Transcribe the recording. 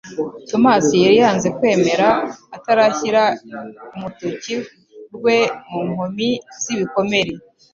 Tomasi yari yanze kwemera atarashyira umtoki rwe mu nkomi z'ibikomere